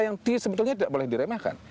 yang sebetulnya tidak boleh diremehkan